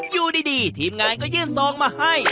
อยู่ดีทีมงานก็ยื่นซองมาให้